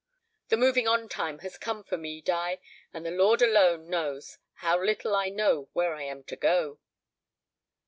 The moving on time has come for me, Di; and the Lord alone knows how little I know where I am to go."